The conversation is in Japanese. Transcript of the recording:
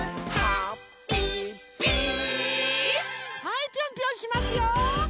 はいぴょんぴょんしますよ！